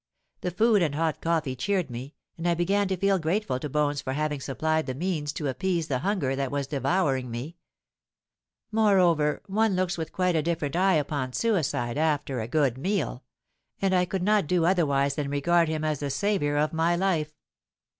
The food and hot coffee cheered me; and I began to feel grateful to Bones for having supplied the means to appease the hunger that was devouring me. Moreover, one looks with quite a different eye upon suicide after a good meal; and I could not do otherwise than regard him as the saviour of my life.